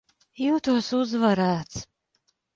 Jūtos uzvarēts.